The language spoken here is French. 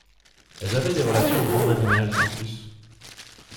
Elles avaient des relations de bon voisinage, sans plus.